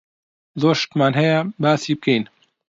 زۆر شتمان هەیە باسی بکەین.